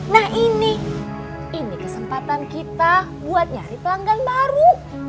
nah ini ini kesempatan kita buat nyari pelanggan baru